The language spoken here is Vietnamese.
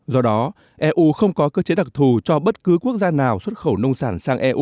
do đó eu không có cơ chế đặc thù cho bất cứ quốc gia nào xuất khẩu nông sản